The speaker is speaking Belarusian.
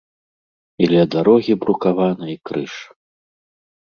І ля дарогі брукаванай крыж.